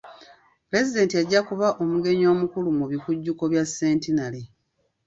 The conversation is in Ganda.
Pulezidenti ajja kuba omugenyi omukulu mu bikujjuko bya centenary.